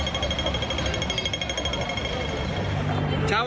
พวกท่านต้องกลับซุ่มโปรดราคาไว้